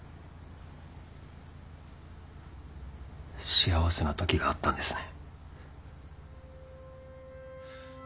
幸せなときがあったんですね。